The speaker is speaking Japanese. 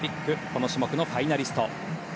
この種目のファイナリスト。